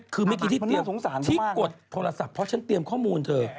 คือเมื่อกี้ที่เตรียมที่กดโทรศัพท์เพราะฉันเตรียมข้อมูลเธอ